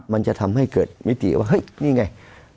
มันจะทำให้เกิดมิติว่าเฮ้ยนี่ไง